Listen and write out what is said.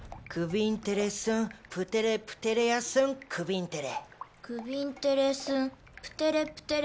クヴィンテレ・スン・プテレプテレアスン・クヴィンテレ。